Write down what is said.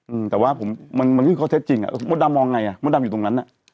อืมแต่ว่าผมมันมันคือข้อเท็จจริงอ่ะมดดำมองไงอ่ะมดดำอยู่ตรงนั้นอ่ะ